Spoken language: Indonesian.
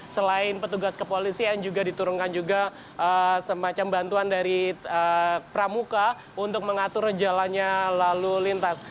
selain petugas kepolisian juga diturunkan juga semacam bantuan dari pramuka untuk mengatur jalannya lalu lintas